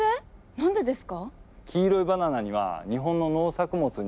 何でですか？